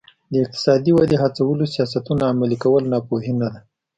د اقتصادي ودې هڅولو سیاستونه عملي کول ناپوهي نه ده.